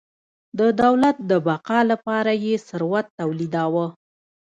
د دولت د بقا لپاره یې ثروت تولیداوه.